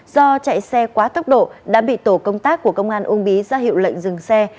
do chạy xe quá tốc độ đã bị tổ công tác của công an uông bí ra hiệu lệnh dừng xe